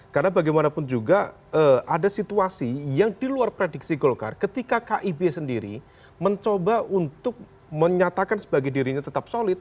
karena bagaimanapun juga ada situasi yang diluar prediksi golkar ketika kib sendiri mencoba untuk menyatakan sebagai dirinya tetap solid